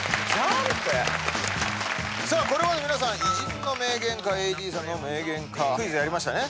これまで皆さん偉人の名言かＡＤさんの名言かクイズやりましたね。